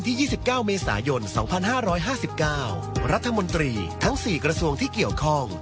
๒๙เมษายน๒๕๕๙รัฐมนตรีทั้ง๔กระทรวงที่เกี่ยวข้อง